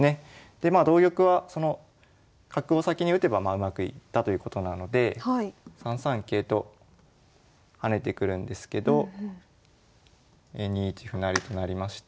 でまあ同玉はその角を先に打てばうまくいったということなので３三桂と跳ねてくるんですけど２一歩成となりまして。